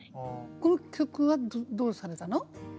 この曲はどうされたの？